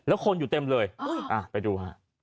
แล้วคนอยู่เต็มเลยไปดูฮะ